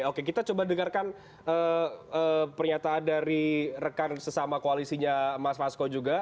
oke kita coba dengarkan pernyataan dari rekan sesama koalisinya mas masko juga